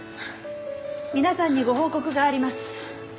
皆さんにご報告があります。